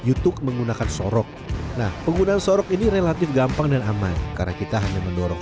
youtube menggunakan sorok nah penggunaan sorok ini relatif gampang dan aman karena kita hanya mendorong